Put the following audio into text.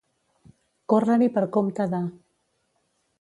Córrer-hi per compte de.